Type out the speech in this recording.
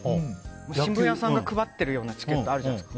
新聞屋さんが配っているようなチケットあるじゃないですか。